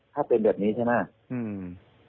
ถ้าเป็นแบบนี้ใช่ไหม